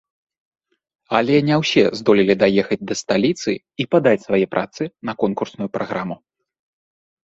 Але не ўсе здолелі даехаць да сталіцы і падаць свае працы на конкурсную праграму.